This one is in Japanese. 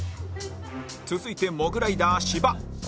続いてモグライダー芝